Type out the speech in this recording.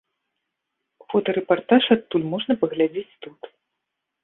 Фотарэпартаж адтуль можна паглядзець тут.